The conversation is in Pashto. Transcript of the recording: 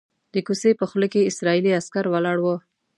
د کوڅې په خوله کې اسرائیلي عسکر ولاړ وو.